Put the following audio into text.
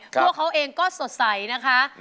พวกเขาเองก็สดใสนะคะ